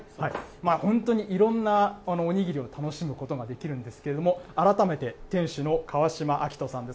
本当にいろんなおにぎりを楽しむことができるんですけれども、改めて店主の川島亮人さんです。